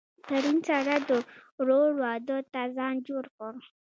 پرون سارا د ورور واده ته ځان جوړ کړ.